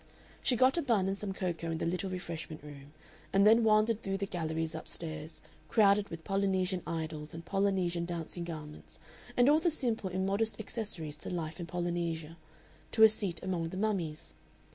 She got a bun and some cocoa in the little refreshment room, and then wandered through the galleries up stairs, crowded with Polynesian idols and Polynesian dancing garments, and all the simple immodest accessories to life in Polynesia, to a seat among the mummies.